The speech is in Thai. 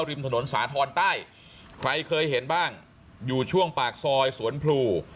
ริมถนนสาธรณ์ใต้ใครเคยเห็นบ้างอยู่ช่วงปากซอยสวนพลู